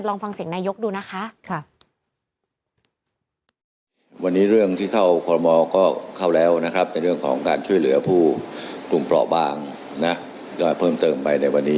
ลองฟังเสียงนายกดูนะคะ